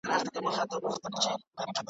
په دې ویاله کي دي اوبه تللي .